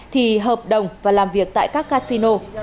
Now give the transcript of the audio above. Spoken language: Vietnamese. thì hợp đồng và làm việc tại các casino